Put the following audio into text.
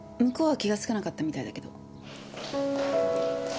向こうは気がつかなかったみたいだけど。